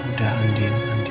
udah udah andi